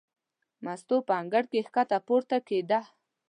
مستو په انګړ کې ښکته پورته کېده.